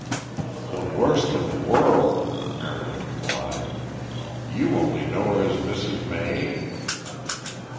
"The worst in the world," Marion replied. "You only know her as Mrs. May?"